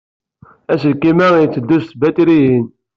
Aselkim-a yetteddu s tbatriyin.